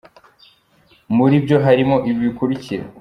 Muri byo harimo ibi bikurikira :.